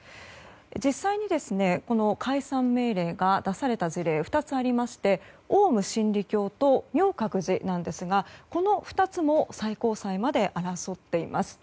実際に解散命令が出された事例２つありましてオウム真理教と明覚寺ですがこの２つも最高裁まで争っています。